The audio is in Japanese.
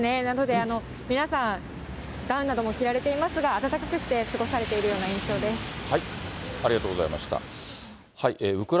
なので、皆さん、ダウンなども着られていますが、暖かくして過ごされているような印象です。